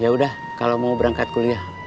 yaudah kalau mau berangkat kuliah